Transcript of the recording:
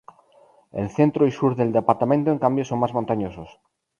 El centro y sur del departamento, en cambio, son más montañosos.